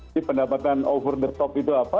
jadi pendapatan over the top itu apa